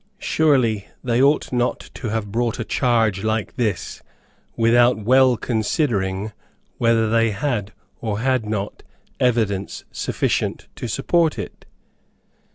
Surely they ought not to have brought a charge like this, without well considering whether they had or had not evidence sufficient to support it.